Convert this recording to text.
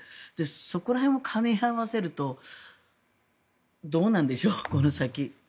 そこら辺を兼ね合わせるとどうなんでしょう、この先。